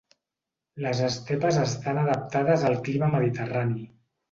Les estepes estan adaptades al clima mediterrani.